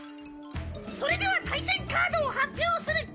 それでは対戦カードを発表する。